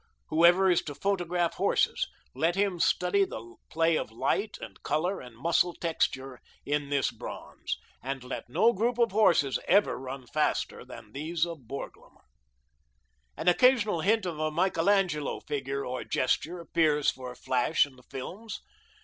Whoever is to photograph horses, let him study the play of light and color and muscle texture in this bronze. And let no group of horses ever run faster than these of Borglum. An occasional hint of a Michelangelo figure or gesture appears for a flash in the films.